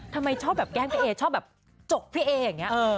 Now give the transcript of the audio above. ทำไมชอบแบบแกล้งพี่เอชอบแบบจกพี่เออย่างนี้